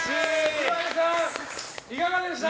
岩井さん、いかがでした？